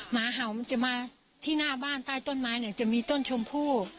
หมาเห่ามันจะมาที่หน้าบ้านใต้ต้นไม้เนี่ยจะมีต้นชมพู่